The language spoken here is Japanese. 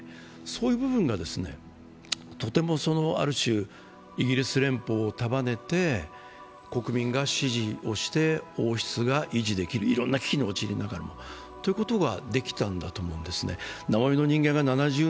そういう部分がとてもある種、イギリス連邦を束ねて国民が支持をして王室が維持できる、いろんな危機に陥りながらも、ということができたんだと思います。